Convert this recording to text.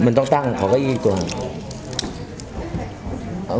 มันต้องตั้งขอก็อีกตัวหนึ่ง